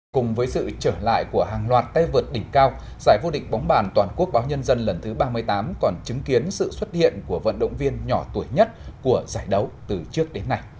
cùng với sự trở lại của hàng loạt tay vượt đỉnh cao giải vô địch bóng bàn toàn quốc báo nhân dân lần thứ ba mươi tám còn chứng kiến sự xuất hiện của vận động viên nhỏ tuổi nhất của giải đấu từ trước đến nay